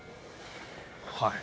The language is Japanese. はい。